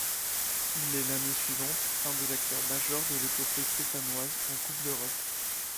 Il est l'année suivante un des acteurs majeurs de l'épopée stéphanoise en coupe d'Europe.